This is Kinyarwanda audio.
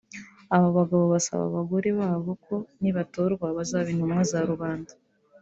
Aba bagabo basaba abo bagore ko nibatorwa bazaba intumwa za rubanda